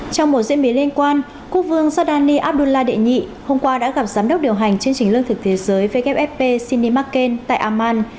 trong một diễn biến liên quan quốc vương giordani abdullah đệ nhị hôm qua đã gặp giám đốc điều hành chương trình lương thực thế giới wfp cin mccain tại amman